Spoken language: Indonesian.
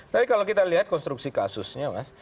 tapi kalau kita lihat konstruksi kasusnya mas